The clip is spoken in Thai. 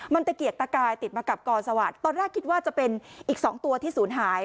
มันตะเกียกตะกายติดมากับกอสวัสดิ์ตอนแรกคิดว่าจะเป็นอีก๒ตัวที่ศูนย์หาย